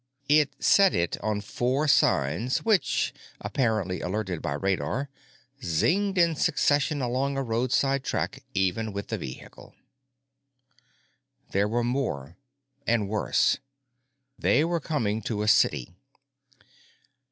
It said it on four signs which, apparently alerted by radar, zinged in succession along a roadside track even with the vehicle. There were more. And worse. They were coming to a city.